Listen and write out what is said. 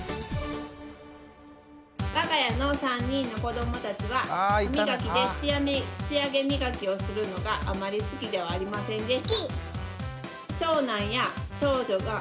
わが家の３人の子どもたちは歯磨きで仕上げ磨きをするのがあまり好きではありませんでした。